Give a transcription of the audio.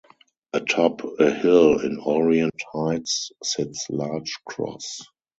Atop a hill in Orient Heights sits large cross.